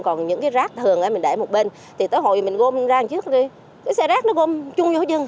còn những cái rác thường mình để một bên thì tới hồi mình gom ra trước đi cái xe rác nó gom chung vô chừng